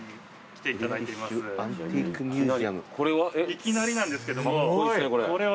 いきなりなんですけどもこれは。